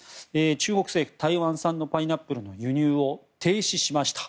中国政府、台湾産のパイナップルの輸入を停止しました。